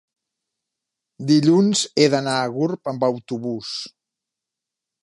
dilluns he d'anar a Gurb amb autobús.